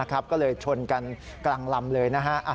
ก็เลยชนกันกลางลำเลยนะฮะ